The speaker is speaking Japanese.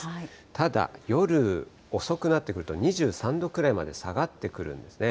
ただ、夜遅くなってくると、２３度ぐらいまで下がってくるんですね。